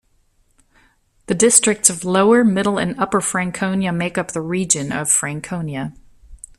The districts of Lower, Middle and Upper Franconia make up the region of Franconia.